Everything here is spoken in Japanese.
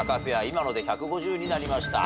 今ので１５０になりました。